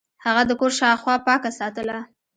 هغه د کور شاوخوا پاکه ساتله.